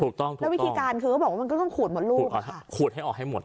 ถูกต้องแล้ววิธีการคือเขาบอกว่ามันก็ต้องขูดหมดลูกขูดให้ออกให้หมด